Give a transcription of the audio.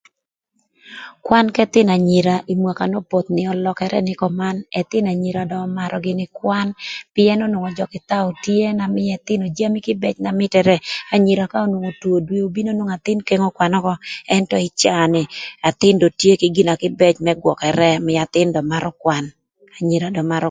Kwan k'ëthïnö enyira ï mwaka n'opoth nï ölökërë nï köman, ëthïnö anyira ömarö gïnï kwan pïën onwongo öjököthaü tye na mïö ëthïnö jami kïbëc na mïtërë. Anyira ka onwongo two dwe obino nwongo athïn kengo kwan ökö, ënto ï caa ni athïn dong tye kï gin na kïbëc më gwökërë ömïö atḧïn dong marö kwan anyira dong marö.